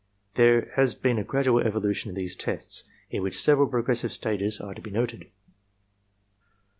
There has been a gradual evolution in these tests, in which several progressive stages are to be noted.